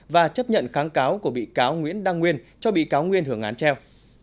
và chấp nhận kháng cáo của bị cáo nguyễn đăng nguyên cho bị cáo nguyên hưởng án treo